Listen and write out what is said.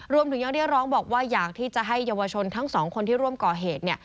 รวมถึงยังเรียกร้องบอกว่าอยากที่จะให้เยาวชนทั้งสองคนที่ร่วมก่อเหตุเนี่ย